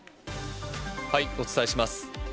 お伝えします。